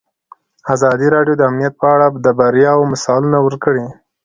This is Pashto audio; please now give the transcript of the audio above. ازادي راډیو د امنیت په اړه د بریاوو مثالونه ورکړي.